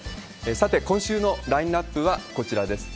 さて、今週のラインナップはこちらです。